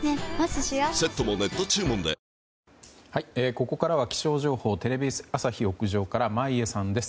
ここからは気象情報テレビ朝日屋上から眞家さんです。